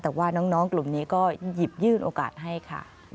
แต่ว่าน้องกลุ่มนี้ก็หยิบยื่นโอกาสให้ค่ะ